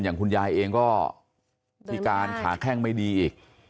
อย่างคุณยายเองก็พิการขาแข้งไม่ดีอีก